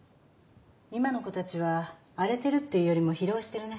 今の子たちは荒れてるっていうよりも疲労してるね。